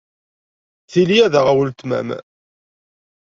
Tili ad aɣeɣ weltma-m.